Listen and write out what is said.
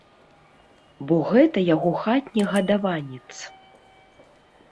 Бо гэта яго хатні гадаванец.